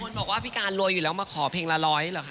บอกว่าพี่การรวยอยู่แล้วมาขอเพลงละร้อยเหรอคะ